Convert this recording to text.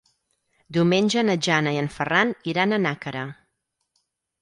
Diumenge na Jana i en Ferran iran a Nàquera.